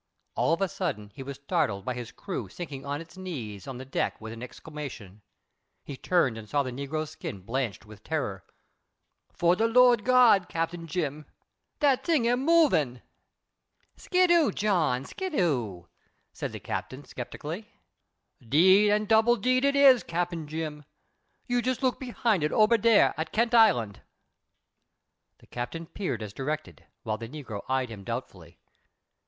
All of a sudden he was startled by his crew sinking on its knees on the deck with an exclamation. He turned and saw the negro's skin blanched with terror. "Fo' de Lawd Gawd, Cap. Jim, dat thing am movin'." "Skidoo, John, skidoo," said the Captain, skeptically. "'Deed an' double deed, it is, Cap. Jim. You jes' look behind it ober dar at Kent Island." The Captain peered as directed, while the negro eyed him doubtfully.